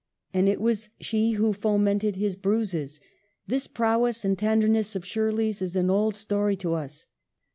And it was she who fomented his bruises. This prowess and tenderness of Shirley's is an old story to us.